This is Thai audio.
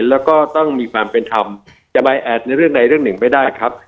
แล้วก็ต้องมีความเป็นธรรมจะใบแอดในเรื่องใดเรื่องหนึ่งไม่ได้ครับ